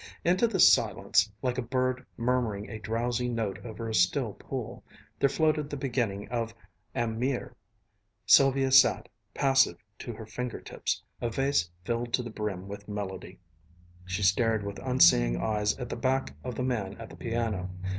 Into this silence, like a bird murmuring a drowsy note over a still pool, there floated the beginning of Am Meer. Sylvia sat, passive to her finger tips, a vase filled to the brim with melody. She stared with unseeing eyes at the back of the man at the piano.